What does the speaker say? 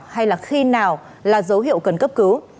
hay là khi nào là dấu hiệu cần cấp cứu